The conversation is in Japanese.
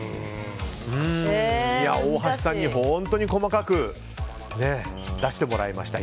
大橋さんに本当に細かく出してもらいました。